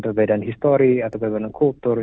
perbedaan histori atau berbeda kultur